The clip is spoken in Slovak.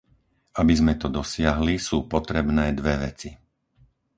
Aby sme to dosiahli, sú potrebné dve veci.